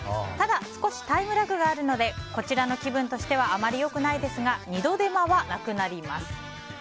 ただ、少しタイムラグがあるのでこちらの気分としてはあまり良くないですが二度手間はなくなります。